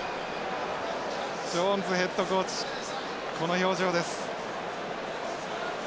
ジョーンズヘッドコーチこの表情です。